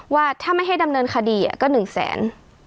ว่าถ้าไม่ให้ดำเนินคดีก็๑แสน